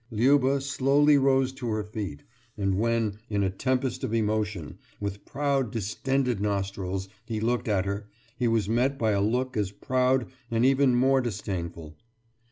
« Liuba slowly rose to her feet, and when, in a tempest of emotion, with proud distended nostrils, he looked at her, he was met by a look as proud and even more disdainful.